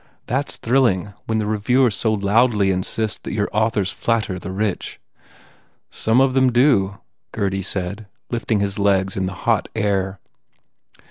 That s thrilling when the reviewers so loudly insist that your authors flatter the rich." "Some of them do," Gurdy said, lifting his legs in the hot air.